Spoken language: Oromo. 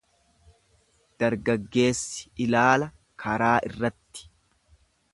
Dargaggeessi ilaala karaa irratti.